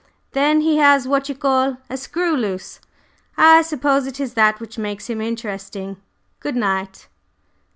"Then he has what you call a screw loose. I suppose it is that which makes him interesting. Good night!"